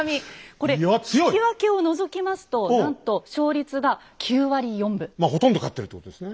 これ引き分けを除きますとなんとまあほとんど勝ってるってことですね。